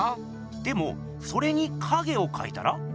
でもそれに影をかいたら？